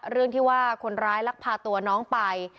เรื่องที่ว่าคนร้ายลักพาตัวน้องไป